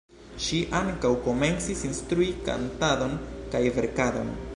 Ŝi ankaŭ komencis instrui kantadon kaj verkadon.